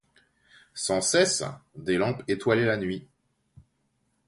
Sans cesse, des lampes étoilaient la nuit.